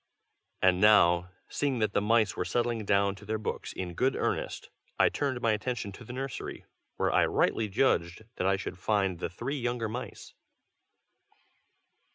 And now, seeing that the mice were settling down to their books in good earnest, I turned my attention to the nursery, where I rightly judged that I should find the three younger mice.